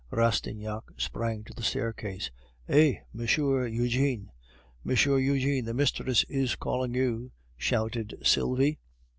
Rastignac sprang to the staircase. "Hey! Monsieur Eugene!" "Monsieur Eugene, the mistress is calling you," shouted Sylvie.